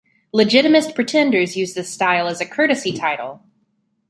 Legitimist pretenders use this style as a courtesy title.